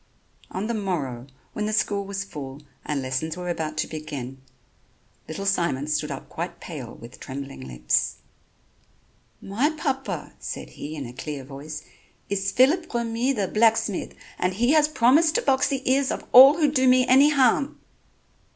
On the morrow, when the school was full and lessons were about to begin, little Simon stood up quite pale with trembling lips: "My papa," said he in a clear voice, "is Phillip Remy, the blacksmith, and he has promised to box the ears of all who do me any harm."